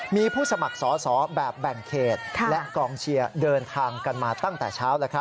มีผู้สมัครสอสอแบบแบ่งเขตและกองเชียร์เดินทางกันมาตั้งแต่เช้า